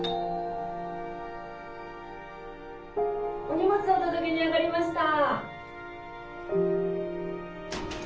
・お荷物お届けに上がりました！